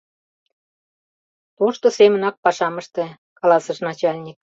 — Тошто семынак пашам ыште, — каласыш начальник.